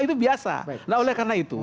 itu biasa nah oleh karena itu